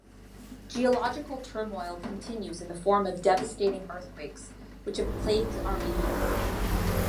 Geological turmoil continues in the form of devastating earthquakes, which have plagued Armenia.